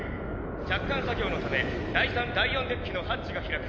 着艦作業のため第３第４デッキのハッチが開く。